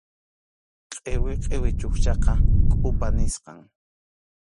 Qʼiwi qʼiwi chukchaqa kʼupa nisqam.